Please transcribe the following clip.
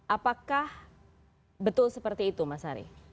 apakah betul seperti itu mas ari